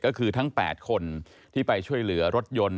ก็คือทั้ง๘คนที่ไปช่วยเหลือรถยนต์